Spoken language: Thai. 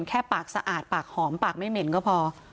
แค่ปากสะอาดปากหอมปากไม่เหม็นก็พอ